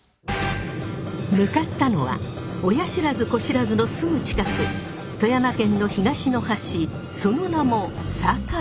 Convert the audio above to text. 向かったのは親不知・子不知のすぐ近く富山県の東の端その名も「境」。